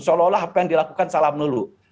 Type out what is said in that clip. seolah olah apa yang dilakukan salah melulu